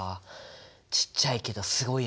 ちっちゃいけどすごいやつ。